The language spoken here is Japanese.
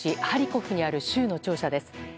ハリコフにある州の庁舎です。